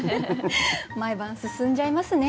毎晩進んじゃいますね。